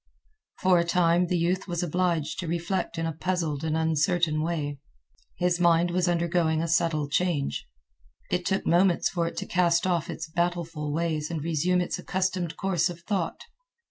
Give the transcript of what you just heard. For a time the youth was obliged to reflect in a puzzled and uncertain way. His mind was undergoing a subtle change. It took moments for it to cast off its battleful ways and resume its accustomed course of thought.